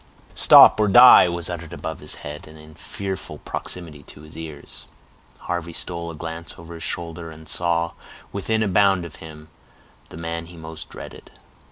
"Stop, or die!" was uttered above his head, and in fearful proximity to his ears. Harvey stole a glance over his shoulder, and saw, within a bound of him, the man he most dreaded.